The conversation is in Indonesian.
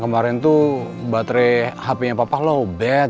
kemarin tuh baterai hpnya papa low bat